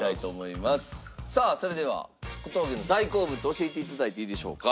さあそれでは小峠の大好物教えていただいていいでしょうか。